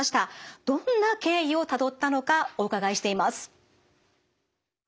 どんな経緯をたどったのかお伺いしています。